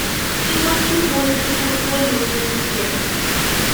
He was to hold this portfolio till his death.